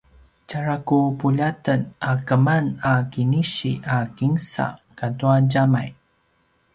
tjara ku puljaten a keman a kinisi a kinsa katua djamay